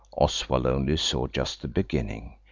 Oswald only saw just the beginning.